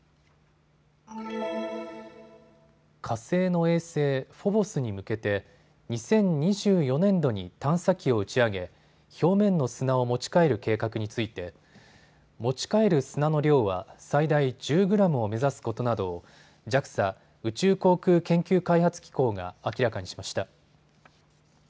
火星の衛星、フォボスに向けて２０２４年度に探査機を打ち上げ表面の砂を持ち帰る計画について持ち帰る砂の量は最大１０グラムを目指すことなどをＪＡＸＡ・宇宙航空研究開発機構が明らかにしました。